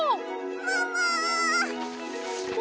もも！